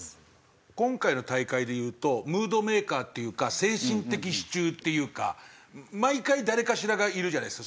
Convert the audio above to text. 今回の大会でいうとムードメーカーっていうか精神的支柱っていうか毎回誰かしらがいるじゃないですか。